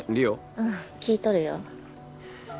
うん聞いとるよ